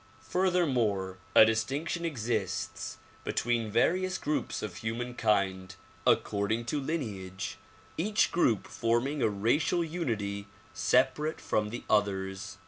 Fur thennore, a distinction exists between various groups of human kind according to lineage, each group forming a racial unity sep arate from the others.